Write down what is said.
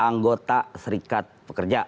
anggota serikat pekerja